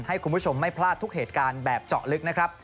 ให้คุณผู้ชมไม่พลาดทุกเหตุการณ์แบบเจาะลึกนะครับ